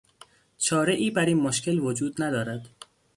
چارهای براین مشکل وجود ندارد.